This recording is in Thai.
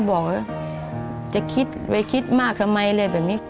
บอกว่าจะคิดไปคิดมากทำไมอะไรแบบนี้